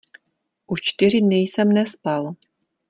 Už čtyři dny jsem nespal.